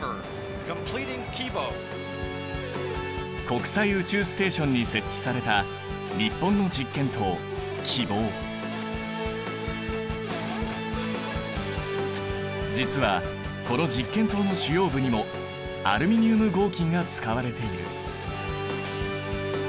国際宇宙ステーションに設置された実はこの実験棟の主要部にもアルミニウム合金が使われている。